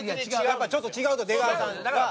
やっぱちょっと違うと出川さんとは。